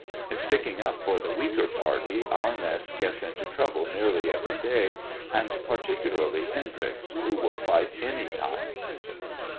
In sticking up for the weaker party, our mess gets into trouble nearly every day, and particularly Hendryx, who will light any time.